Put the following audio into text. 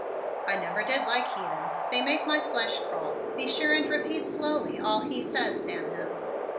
"I never did like heathens. They make my flesh crawl. Be sure and repeat slowly all he says, damn him!"